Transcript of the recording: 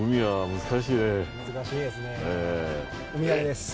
難しいですね。